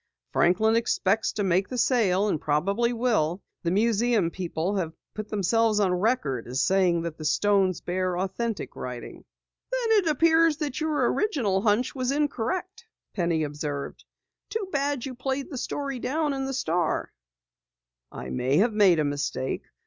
"Franklin expects to make the sale and probably will. The museum people have put themselves on record as saying that the stones bear authentic writing." "Then it appears that your original hunch was incorrect," Penny observed. "Too bad you played down the story in the Star." "I may have made a mistake.